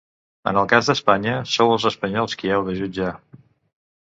En el cas d’Espanya, sou els espanyols qui heu de jutjar.